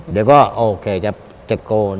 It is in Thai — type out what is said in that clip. เดี๋ยวก็โอเคจะตะโกน